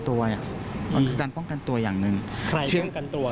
ตัวมันคือการป้องกันตัวอย่างหนึ่งใครเชื่องกันตัว